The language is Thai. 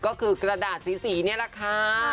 ก็คือกระดาษสีนี่แหละค่ะ